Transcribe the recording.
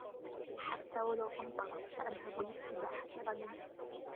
حتى و لو أمطرت ، سأذهب للسباحة غدا.